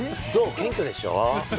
謙虚でしょ？